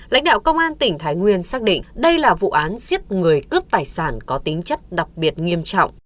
lãnh đạo công an tỉnh thái nguyên xác định đây là vụ án giết người cướp tài sản có tính chất đặc biệt nghiêm trọng